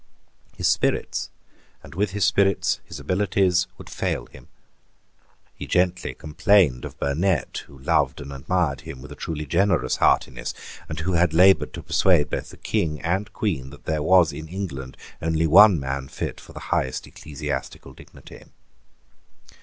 His spirits, and with his spirits his abilities, would fail him. He gently complained of Burnet, who loved and admired him with a truly generous heartiness, and who had laboured to persuade both the King and Queen that there was in England only one man fit for the highest ecclesiastical dignity.